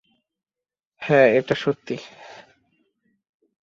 হ্যাঁ, এটা সত্যি।